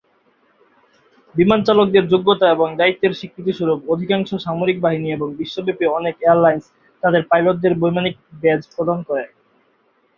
বিমান চালকদের যোগ্যতা এবং দায়িত্বের স্বীকৃতি স্বরূপ, অধিকাংশ সামরিক বাহিনী এবং বিশ্বব্যাপী অনেক এয়ারলাইন্স তাদের পাইলটদের বৈমানিক ব্যাজ প্রদান করে।